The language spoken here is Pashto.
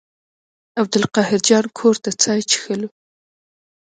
عبدالقاهر جان کور ته چای څښلو.